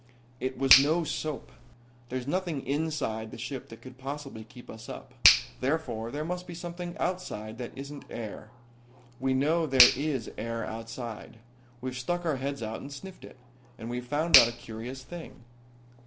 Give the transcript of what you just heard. "It was no soap. There's nothing inside the ship that could possibly keep us up. Therefore there must be something outside that isn't air. We know there is air outside. We've stuck our heads out and sniffed it. And we've found out a curious thing.